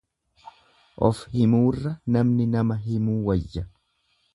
Ofhimuurra namni nama himuu wayya.